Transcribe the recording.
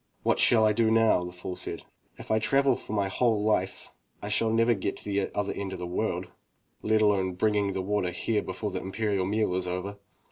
"What shall I do now?'* said the fool. "If I travel for my whole life I shall never get to the other end of the world, let alone bringing the water here before the imperial meal is over.'